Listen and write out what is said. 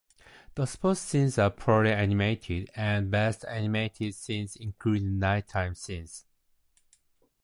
The sports scenes are poorly animated, and the best animated scenes include night-time scenes.